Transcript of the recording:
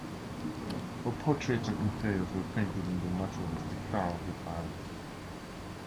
Her portraits and interiors were painted in the naturalistic style of the times.